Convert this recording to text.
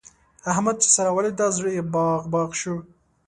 احمد چې سارا وليده؛ زړه يې باغ باغ شو.